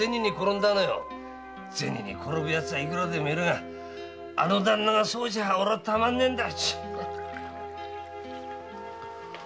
銭に転ぶ奴はいくらでもいるがあの旦那がそうじゃ俺はたまんねえんだ。